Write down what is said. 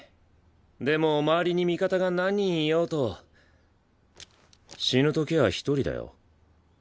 でも周りに味方が何人いようと死ぬときは一人だよ。